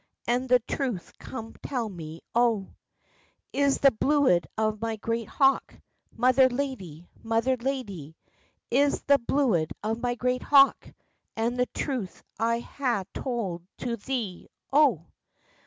And the truth come tell to me, O." "It is the bluid of my great hawk, Mother lady, Mother lady! It is the bluid of my great hawk, And the truth I hae tald to thee, O."